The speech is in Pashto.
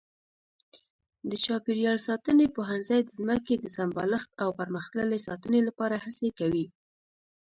د چاپېریال ساتنې پوهنځی د ځمکې د سمبالښت او پرمختللې ساتنې لپاره هڅې کوي.